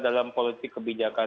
dalam politik kebijakan